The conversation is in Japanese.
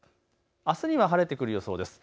あすには晴れてくる予想です。